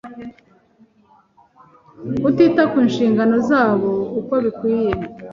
kutita ku nshingano zabo uko bikwiye